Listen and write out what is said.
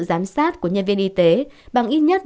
giám sát của nhân viên y tế bằng ít nhất